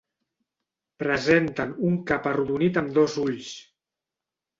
Presenten un cap arrodonit amb dos ulls.